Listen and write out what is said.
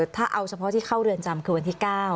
ถ้าเอาเฉพาะที่เข้าเรือนจำคือวันที่๙